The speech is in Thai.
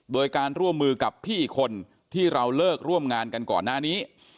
โดยการร่วมมือกับพี่อีกคนที่เราเลิกร่วมงานกันก่อนหน้านี้